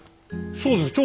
そうです。